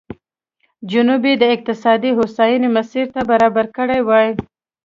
جنوب یې د اقتصادي هوساینې مسیر ته برابر کړی وای.